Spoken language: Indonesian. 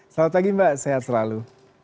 selamat pagi mbak sehat selalu